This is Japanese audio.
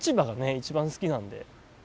一番好きなんで。